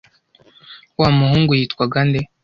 wa muhungu yitwaga nde